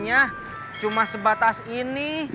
nganterinnya cuma sebatas ini